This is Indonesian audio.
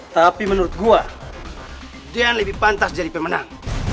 tapi menurut gue dia yang lebih pantas jadi pemenang